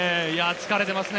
疲れてますね。